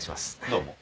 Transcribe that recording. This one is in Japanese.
どうも。